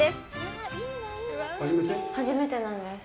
初めてなんです。